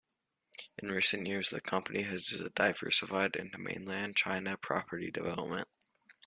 In recent years, the company has diversified into mainland China property development.